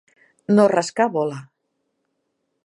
No rascar bola.